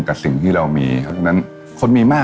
ส่วนความเพียงเราก็ถูกพูดอยู่ตลอดเวลาในเรื่องของความพอเพียง